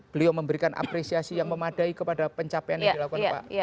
beliau memberikan apresiasi yang memadai kepada pencapaian yang dilakukan pak